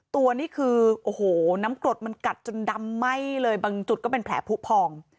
ตัวนี่คือโอ้โหน้ำกรดมันกัดจนดำไหม้เลยบางจุดก็เป็นแผลผู้พอง